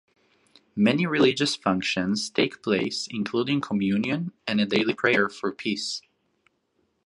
Many religious functions take place including communion and a daily prayer for peace.